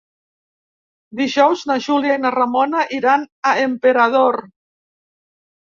Dijous na Júlia i na Ramona iran a Emperador.